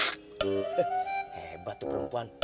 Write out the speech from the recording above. hebat tuh perempuan